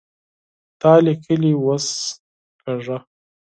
تا ليکلې اوس کږه